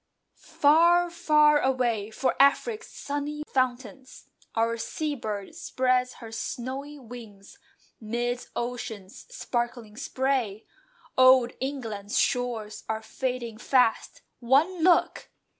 Far, far away! For "Afric's sunny fountains" Our seabird spreads her snowy wings Midst ocean's sparkling spray; Old England's shores are fading fast; One look!